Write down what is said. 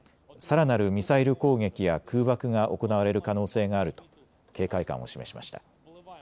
さらなるミサイル攻撃や空爆が行われる可能性があると警戒感を示しました。